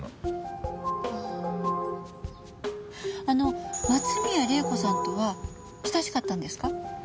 あの松宮玲子さんとは親しかったんですか？